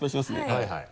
はいはい。